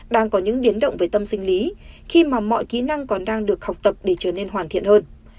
đang có những biến động về tâm sinh lý khi mà mọi kỹ năng còn đang được học tập để trở nên hoàn thiện hơn